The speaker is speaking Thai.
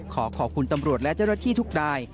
ขอขอบคุณตำรวจและเจ้าหน้าที่ทุกนาย